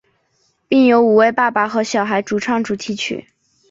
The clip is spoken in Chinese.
并由五位爸爸和小孩主唱主题曲。